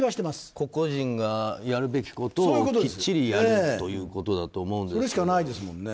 個々人がやるべきことをきっちりやるということだと思うんですけど。